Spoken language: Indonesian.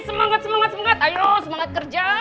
semangat semangat semangat ayo semangat kerja